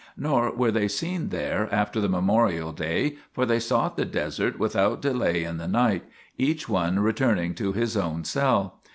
Nor were they seen there after the memorial day, for they sought the desert without delay in the night, each one returning to his own cell.